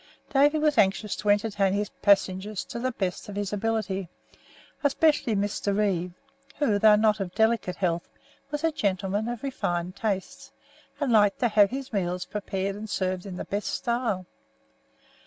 Davy was anxious to entertain his passengers to the best of his ability, especially Mr. Reeve, who, though not of delicate health, was a gentleman of refined tastes, and liked to have his meals prepared and served in the best style.